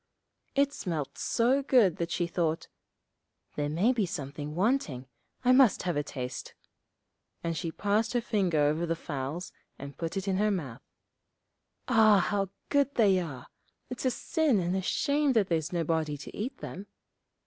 It smelt so good that she thought, 'There may be something wanting, I must have a taste.' And she passed her finger over the fowls and put it in her mouth. 'Ah, how good they are; it's a sin and a shame that there's nobody to eat them.'